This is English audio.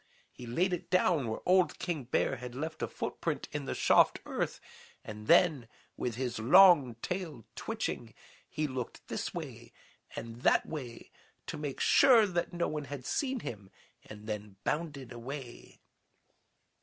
He laid it down where old King Bear had left a footprint in the soft earth and then, with his long tail twitching, he looked this way and that way to make sure that no one had seen him and then bounded away.